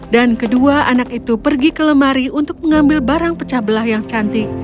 dan kedua anak itu pergi ke lemari untuk mengambil barang pecah belah yang cantik